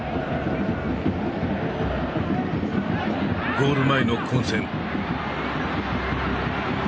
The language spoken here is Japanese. ゴール前の混戦。